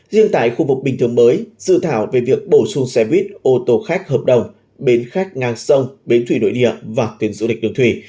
riêng tại khu vực bình thường mới dự thảo về việc bổ sung xe buýt ô tô khách hợp đồng bến khách ngang sông bến thủy nội địa và tuyến du lịch đường thủy